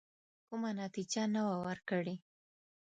کومه نتیجه نه وه ورکړې.